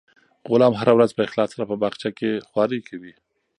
غلام هره ورځ په اخلاص سره په باغچه کې خوارۍ کوي.